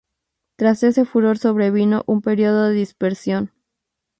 Tras ese furor sobrevino un período de dispersión.